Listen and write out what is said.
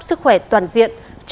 sức khỏe toàn diện cho thế hệ trẻ